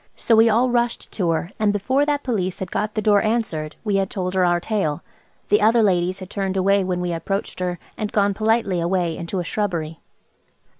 So we all rushed to her, and before that Police had got the door answered we had told her our tale. The other ladies had turned away when we approached her, and gone politely away into a shrubbery.